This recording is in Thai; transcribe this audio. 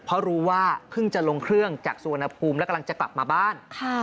เพราะรู้ว่าเพิ่งจะลงเครื่องจากสุวรรณภูมิแล้วกำลังจะกลับมาบ้าน